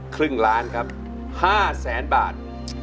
ครึ่งล้านครับ๕แสนบาท